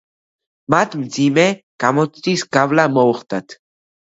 მათ მძიმე გამოცდის გავლა მოუხდათ.